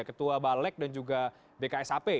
ketua balek dan juga bksap